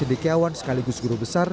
dengan cendekiawan sekaligus guru besar